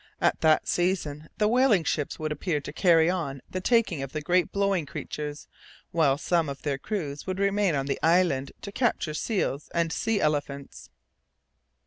At that season the whaling ships would appear to carry on the taking of the great blowing creatures, while some of their crews would remain on the islands to capture seals and sea elephants.